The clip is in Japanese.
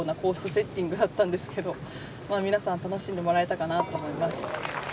セッティングだったんですが皆さん、楽しんでもらえたかなと思います。